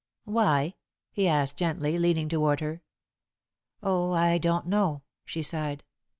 "Why?" he asked gently, leaning toward her. "Oh, I don't know," she sighed.